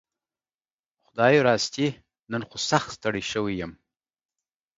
خدايي راستي نن خو سخت ستړى شوي يم